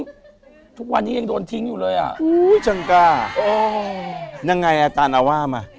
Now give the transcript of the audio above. แบบนี้ทุกวันนี้ยังโดนทิ้งอยู่เลยอะอู้วชังกล้านั่งไงอาตารณาว่ามา